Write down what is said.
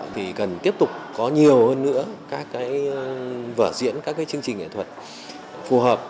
thì cần tiếp tục có nhiều hơn nữa các cái vở diễn các chương trình nghệ thuật phù hợp